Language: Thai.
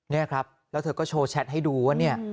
นี่ครับแล้วเธอก็โชว์แชทให้ดูว่าเนี่ย